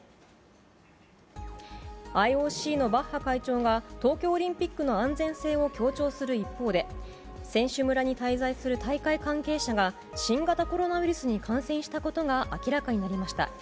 ＩＯＣのバッハ会長が東京オリンピックの安全性を強調する一方で選手村に滞在する大会関係者が新型コロナウイルスに感染したことが明らかになりました。